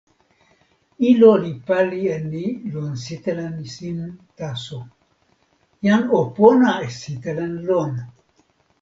ilo li pali e ni lon sitelen sin taso. jan o pona e sitelen lon.